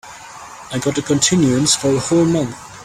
I got a continuance for a whole month.